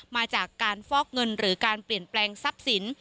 มาจากการฟอกเงินหรือการเปลี่ยนแปลงทรัพย์สิน